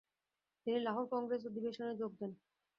তিনি লাহোর কংগ্রেস অধিবেশনে যোগ দেন।